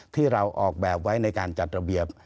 ที่เราออกแบบไว้ในการจัดระเบียบ